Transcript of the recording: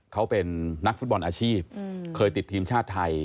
เขาเป็นนักฟุตบอลอาชีพเคยติดทีมชาติไทย